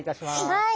はい。